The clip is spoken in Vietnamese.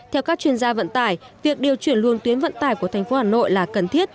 theo các chuyên gia vận tải việc điều chuyển luôn tuyến vận tải của thành phố hà nội là cần thiết